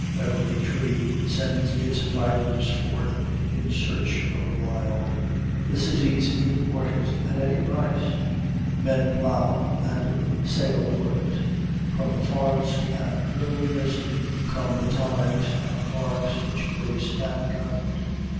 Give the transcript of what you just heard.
Every tree sends its fibers forth in search of the Wild. The cities import it at any price. Men plow and sail for it. From the forest and wilderness come the tonics and barks which brace mankind.